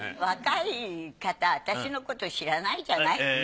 若い方私のこと知らないじゃない。